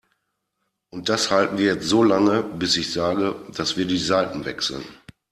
Und das halten wir jetzt so lange, bis ich sage, dass wir die Seiten wechseln.